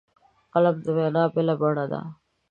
قلم د وینا بله بڼه ده